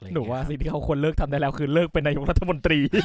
หนูว่าสิ่งที่เขาควรเลิกทำได้แล้วคือเลิกเป็นนายกรัฐมนตรี